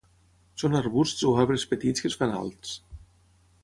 Són arbusts o arbres petits que es fan alts.